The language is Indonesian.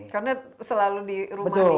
karena selalu di rumah diawasin